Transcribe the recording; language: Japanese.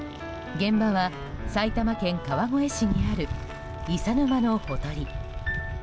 現場は、埼玉県川越市にある伊佐沼のほとり。